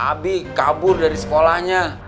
abi kabur dari sekolahnya